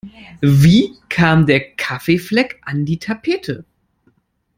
Wie kam der Kaffeefleck an die Tapete?